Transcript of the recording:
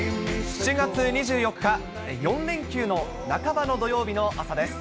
７月２４日、４連休の半ばの土曜日の朝です。